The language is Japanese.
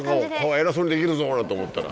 偉そうにできるぞなんて思ったら。